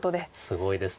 すごいです。